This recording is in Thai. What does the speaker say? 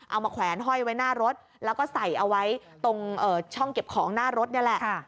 แขวนห้อยไว้หน้ารถแล้วก็ใส่เอาไว้ตรงช่องเก็บของหน้ารถนี่แหละ